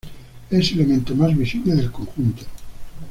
Es elemento más visible del conjunto.